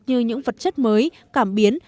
như những vật chất mới cảm biến